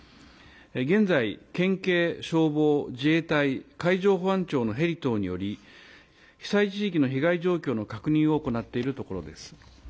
現在、県警、消防、自衛隊、海上保安庁のヘリ等により、被災地域の被害状況の確認を行っているところです。